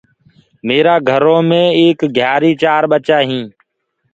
ميرآ گهرو مي ايڪ گهيآري چآر ٻچا هينٚ۔